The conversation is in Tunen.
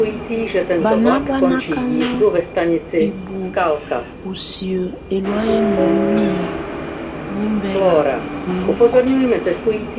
Bana bá nɔ̀ akana hibuǝ́ ù siǝ́ ɛlɔ̀áyɛ mǝmuinyii ma ɔmbɛla ù ulukǝ.